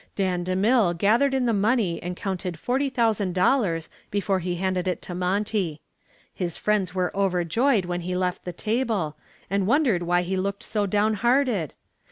Dan DeMille gathered in the money and counted forty thousand dollars before he handed it to Monty. His friends were overjoyed when he left the table, and wondered why he looked so downhearted.